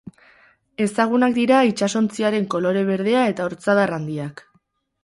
Ezagunak dira itsasontziaren kolore berdea eta ortzadar handiak.